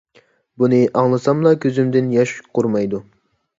بۇنى ئاڭلىساملا كۆزۈمدىن ياش قۇرۇمايدۇ.